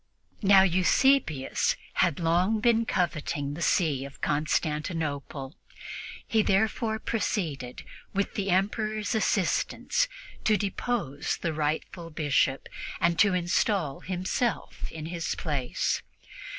Now, Eusebius had long been coveting the see of Constantinople; he therefore proceeded, with the Emperor's assistance, to depose the rightful Bishop and to install himself in his place.